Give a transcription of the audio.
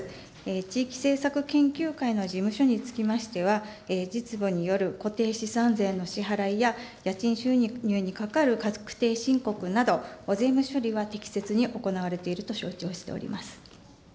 地域政策研究会の事務所につきましては、実母による固定資産税の支払いや家賃収入にかかる確定申告など、税務処理は適切に行われていると承知をしております。